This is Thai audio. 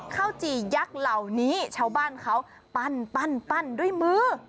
จียักษ์เหล่านี้ชาวบ้านเขาปั้นด้วยมือ